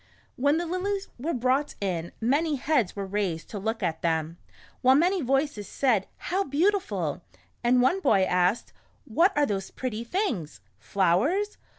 When the lilies were brought in, many heads were raised to look at them, while many voices said, "How beautiful," and one boy asked, ''What are those pretty things? Flowers